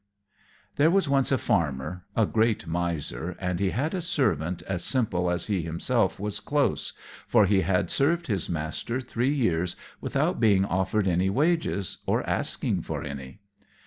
_ There was once a Farmer, a great miser, and he had a servant as simple as he himself was close, for he had served his master, three years without being offered any wages, or asking for any.